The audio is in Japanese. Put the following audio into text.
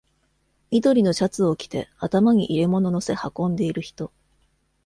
緑のシャツを着て、頭に入れ物載せ運んでいる人。